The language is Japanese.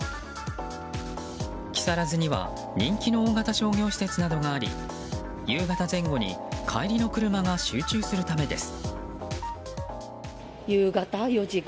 木更津には人気の大型商業施設などがあり夕方前後に帰りの車が集中するためです。